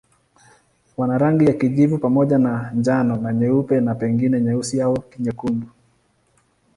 Wana rangi ya kijivu pamoja na njano na nyeupe na pengine nyeusi au nyekundu.